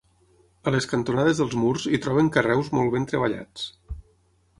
A les cantonades dels murs hi troben carreus molt ben treballats.